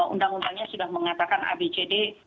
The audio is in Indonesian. undang undangnya sudah mengatakan abcd